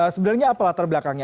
sebenarnya apa latar belakangnya